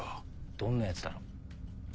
どんなヤツだろ？